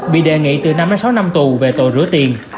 bị đề nghị từ năm đến sáu năm tù về tội rửa tiền